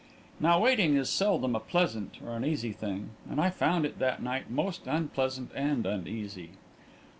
Now waiting is seldom a pleasant or an easy thing, and I found it that night most unpleasant and uneasy.